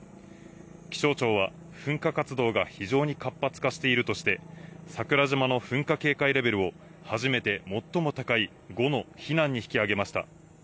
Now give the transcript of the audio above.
気象庁は噴火活動が非常に活発化しているとして、桜島の噴火警戒レベルを初めて、最も高い５の「避難」に引き上げました。